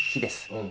うん。